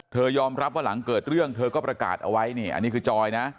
ยอมรับว่าหลังเกิดเรื่องเธอก็ประกาศเอาไว้นี่อันนี้คือจอยนะ